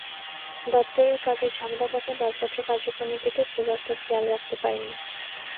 দপ্তরের কাজের ঝামেলা থাকায় দরপত্র কার্যক্রমের দিকে খুব একটা খেয়াল রাখতে পারিনি।